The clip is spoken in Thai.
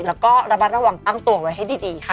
แล้วก็ระมัดระวังตั้งตัวไว้ให้ดีค่ะ